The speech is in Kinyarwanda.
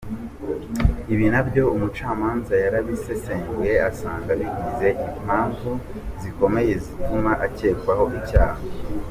Ibi na byo umucamanza yarabisesenguye asanga bigize impamvu zikomeye zituma akekwaho icyaha.